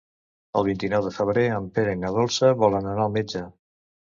El vint-i-nou de febrer en Pere i na Dolça volen anar al metge.